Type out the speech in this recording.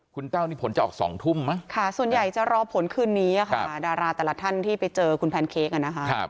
คุณแต้วนี่ผลจะออก๒ทุ่มมั้งค่ะส่วนใหญ่จะรอผลคืนนี้ค่ะดาราแต่ละท่านที่ไปเจอคุณแพนเค้กอะนะคะ